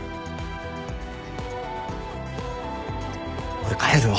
俺帰るわ。